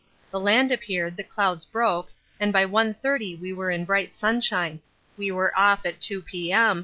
The land appeared, the clouds broke, and by 1.30 we were in bright sunshine. We were off at 2 P.M.